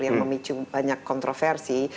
yang memicu banyak kontroversi